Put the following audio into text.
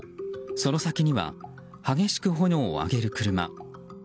その先には激しく炎を上げる車。